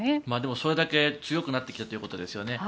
それだけ強くなってきたということですよね。